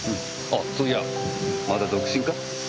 あそういやまだ独身か？